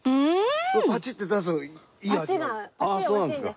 パチッて出すのいい味なんです。